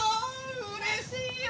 うれしいよ！